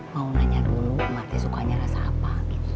mau nanya dulu emaknya sukanya rasa apa